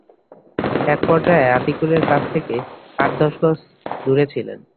একপর্যায়ে আতিকুরের কাছ থেকে আট দশ গজ দূরে ছিলেন।